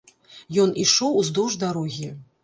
Ён ішоў уздоўж дарогі.